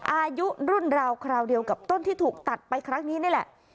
อายุรุ่นราวคราวเดียวกับต้นที่ถูกตัดไปครั้งนี้นี่แหละ